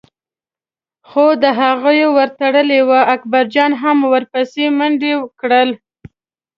خو د هغوی ور تړلی و، اکبرجان هم ور پسې منډه کړه.